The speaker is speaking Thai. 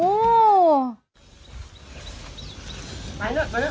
ละเน่ย